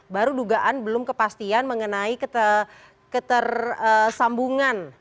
baru dugaan belum kepastian mengenai ketersambungan